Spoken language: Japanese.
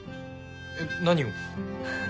えっ何を？